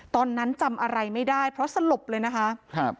ตอนนั้นจำอะไรไม่ได้เพราะสลบเลยนะคะครับ